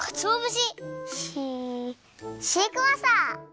シシークワーサー！